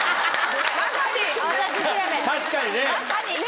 確かにね。